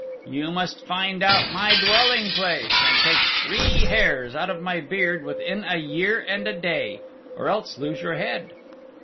You must find out my dwelling place and take three hairs out of my beard within a year and a day, or else lose your head."